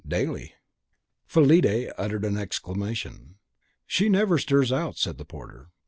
"Daily." Fillide uttered an exclamation. "She never stirs out," said the porter.